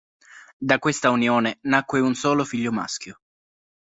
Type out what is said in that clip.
Da questa unione nacque un solo figlio maschio.